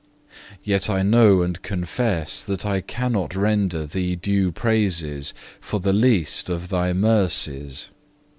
Yet I know and confess that I cannot render Thee due praises for the least of Thy mercies.